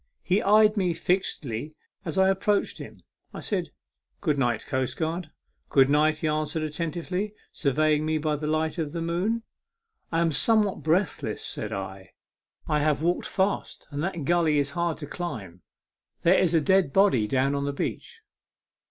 He eyed me fixedly as I approached him. I said, " Good night, coastguard." " Good night," he answered, attentively surveying me by the light of the moon. " I am somewhat breathless," said I ;" I have A MEMORABLE SWIM. 55 walked fast, and that gully is hard to climb. There is a dead body down on the beach."